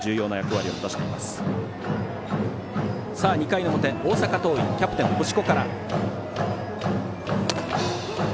２回の表、大阪桐蔭キャプテン、星子から。